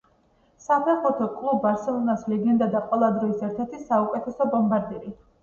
საფეხბურთო კლუბ ბარსელონას ლეგენდა და ყველა დროის ერთ-ერთი საუკეთესო ბომბარდირი.